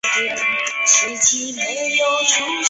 沃尔顿镇区为美国堪萨斯州哈维县辖下的镇区。